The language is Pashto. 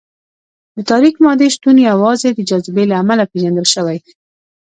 د تاریک مادې شتون یوازې د جاذبې له امله پېژندل شوی.